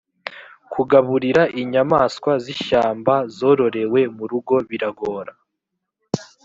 kugaburira inyamaswa z’ishyamba zororewe mu rugo biragora